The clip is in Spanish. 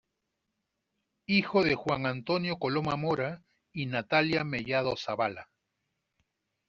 Hijo de Juan Antonio Coloma Mora y Natalia Mellado Zabala.